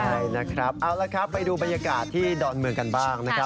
ใช่นะครับเอาละครับไปดูบรรยากาศที่ดอนเมืองกันบ้างนะครับ